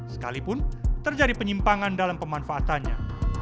sekalipun terjadi penyimpangan dalam pemanfaatannya